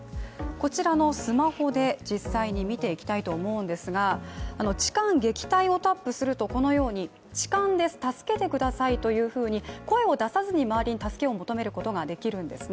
こちらのスマホで実際に見ていきたいと思うんですが、「痴漢撃退」をタップするとこのように「痴漢です助けてください」というふうに声を出さずに周りに助けを求めることができるんですね。